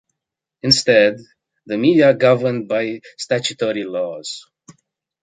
Instead, the media are governed by statutory laws.